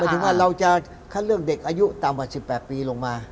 หมายถึงว่าเราจะถ้าเลือกเด็กอายุต่ำกว่าสิบแปดปีลงมา